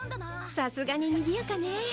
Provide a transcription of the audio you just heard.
さすがに賑やかね。